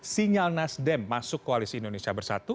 sinyal nasdem masuk koalisi indonesia bersatu